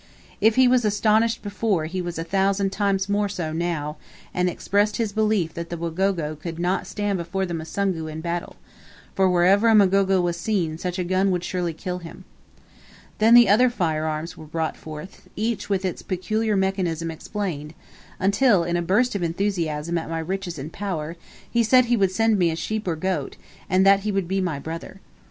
If he was astonished before he was a thousand times more so now, and expressed his belief that the Wagogo could not stand before the Musungu in battle, for wherever a Mgogo was seen such a gun would surely kill him. Then the other firearms were brought forth, each with its peculiar mechanism explained, until, in, a burst of enthusiasm at my riches and power, he said he would send me a sheep or goat, and that he would be my brother.